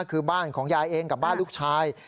คือบ้านของยายเองกับบ้านลูกชาย